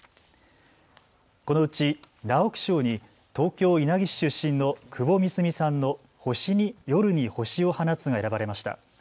このうち直木賞に東京稲城市出身の窪美澄さんの夜に星を放つが選ばれました。